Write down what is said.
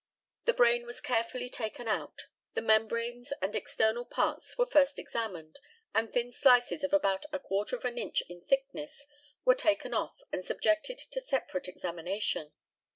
The brain was carefully taken out; the membranes and external parts were first examined, and thin slices of about a quarter of an inch in thickness were taken off and subjected to separate examination.